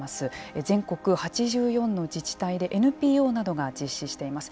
全国８４の自治体でＮＰＯなどが実施しています。